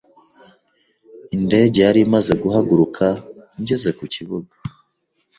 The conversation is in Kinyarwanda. Indege yari imaze guhaguruka ngeze ku kibuga.